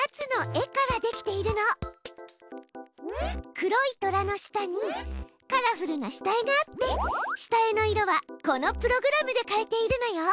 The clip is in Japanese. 黒いトラの下にカラフルな下絵があって下絵の色はこのプログラムで変えているのよ。